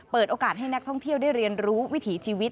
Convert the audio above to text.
เปิดโอกาสให้นักท่องเที่ยวได้เรียนรู้วิถีชีวิต